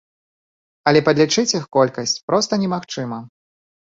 Але падлічыць іх колькасць проста немагчыма.